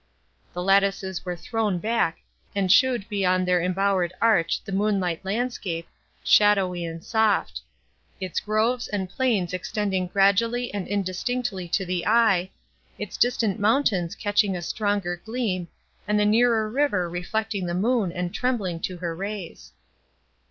The lattices were thrown back, and showed beyond their embowered arch the moonlight landscape, shadowy and soft; its groves, and plains extending gradually and indistinctly to the eye, its distant mountains catching a stronger gleam, and the nearer river reflecting the moon, and trembling to her rays.